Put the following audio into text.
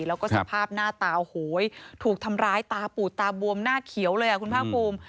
แล้วก็สภาพหน้าตาโหยถูกทำร้ายตาปุดตาบวมหน้าเขียวเลยอ่ะคุณพ่อคลุม